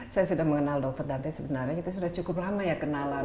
saya sudah mengenal dr dante sebenarnya kita sudah cukup lama ya kenalan